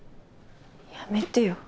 やめてよ。